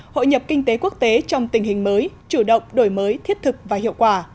hội nhập kinh tế quốc tế trong tình hình mới chủ động đổi mới thiết thực và hiệu quả